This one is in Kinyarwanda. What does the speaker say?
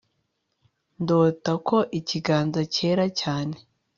Ndota ko ikiganza cyera cyane